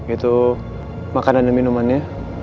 itu makanan dan minuman ya